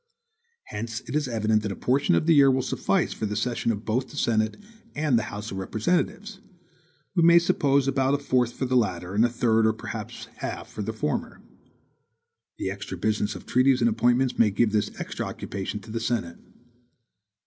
Hence it is evident that a portion of the year will suffice for the session of both the Senate and the House of Representatives; we may suppose about a fourth for the latter and a third, or perhaps half, for the former. The extra business of treaties and appointments may give this extra occupation to the Senate.